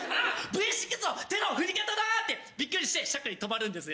Ｖ６の手の振り方だってびっくりしてしゃっくり止まるんです。